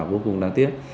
vô cùng đáng tiếc